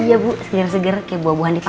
iya bu seger seger kayak buah buahan di pasar